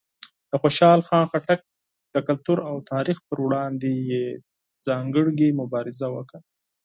د خوشحال خان خټک د کلتور او تاریخ پر وړاندې یې ځانګړې مبارزه وکړه.